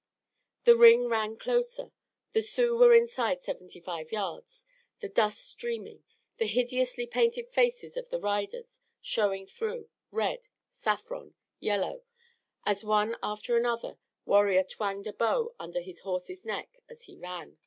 The ring ran closer. The Sioux were inside seventy five yards, the dust streaming, the hideously painted faces of the riders showing through, red, saffron, yellow, as one after another warrior twanged a bow under his horse's neck as he ran.